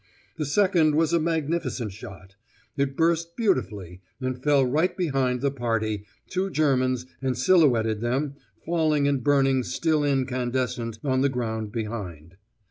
The second was a magnificent shot. It burst beautifully, and fell right behind the party, two Germans, and silhouetted them, falling and burning still incandescent on the ground behind.